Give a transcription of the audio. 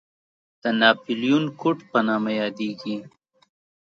د ناپلیون کوډ په نامه یادېږي.